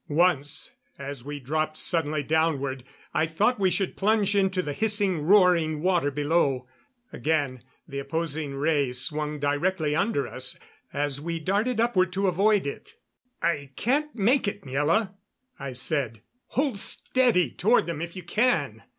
Once, as we dropped suddenly downward, I thought we should plunge into the hissing, roaring water below. Again, the opposing ray swung directly under us, as we darted upward to avoid it. "I can't make it, Miela," I said. "Hold steady toward them if you can."